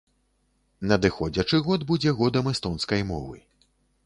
Надыходзячы год будзе годам эстонскай мовы.